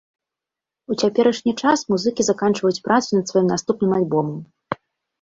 У цяперашні час музыкі заканчваюць працу над сваім наступным альбомам.